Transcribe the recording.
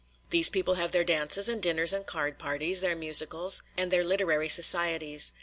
These people have their dances and dinners and card parties, their musicals, and their literary societies.